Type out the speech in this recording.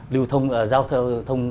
lưu thông giao thông